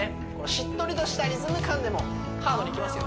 しっとりとしたリズム感でもハードにいきますよ